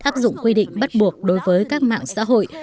áp dụng quy định bắt buộc đối với các mạng xã hội